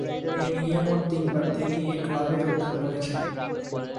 এ নিয়ে মোট তিনবার তিনি এ ক্লাবে যোগদান করেছেন।